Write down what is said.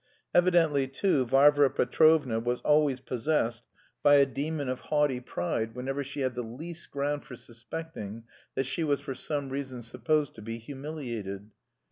Evidently too, Varvara Petrovna was always possessed by a demon of haughty pride whenever she had the least ground for suspecting that she was for some reason supposed to be humiliated.